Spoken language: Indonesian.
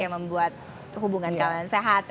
yang membuat hubungan kalian sehat